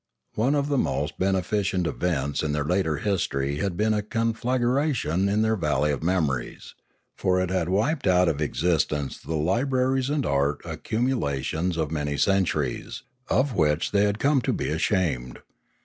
One of the most beneficent events of their later history had been a con flagration in their valley of memories; for it had wiped out of existence the libraries and art accumulations of many centuries, of which they had come to be ashamed.